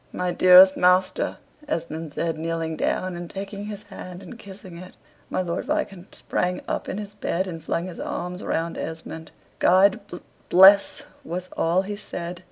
"My dearest master!" Esmond said, kneeling down, and taking his hand and kissing it. My Lord Viscount sprang up in his bed, and flung his arms round Esmond. "God bl bless " was all he said.